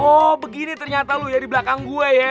oh begini ternyata loh ya di belakang gue ya